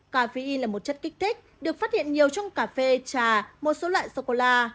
cà phê là một chất kích thích được phát hiện nhiều trong cà phê trà một số loại sô cô la